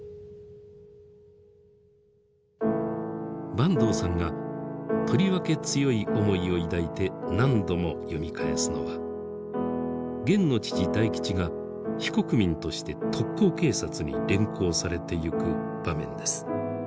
坂東さんがとりわけ強い思いを抱いて何度も読み返すのはゲンの父大吉が非国民として特高警察に連行されてゆく場面です。